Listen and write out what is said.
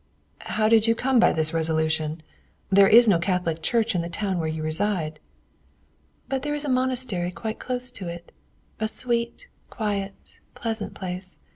"How did you come by this resolution? There is no Catholic church in the town where you reside." "But there is a monastery quite close to it, a sweet, quiet, pleasant place.